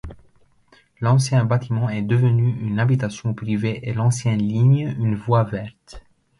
L'ancien bâtiment est devenu une habitation privée et l'ancienne ligne une voie verte.